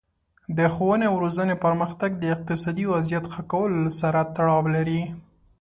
د ښوونې او روزنې پرمختګ د اقتصادي وضعیت ښه کولو سره تړاو لري.